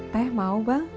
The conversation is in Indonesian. teh mau bang